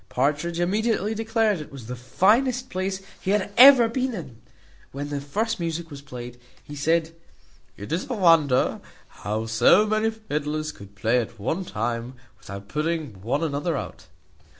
Partridge immediately declared it was the finest place he had ever been in. When the first music was played, he said, "It was a wonder how so many fiddlers could play at one time, without putting one another out."